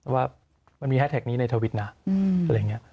ว่ามันมีแฮชแท็กนี้ในทวิตนะอะไรอย่างนี้